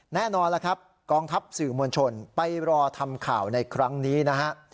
แน่นอนล่ะครับกองทัพสื่อมวลชนไปรอทำข่าวในครั้งนี้นะฮะ